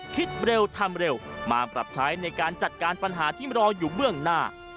คิดเร็วทำเร็วมาปรับใช้ในการจัดการปัญหาที่รออยู่เบื้องหน้า